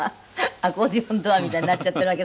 アコーディオンドアみたいになっちゃってるわけ？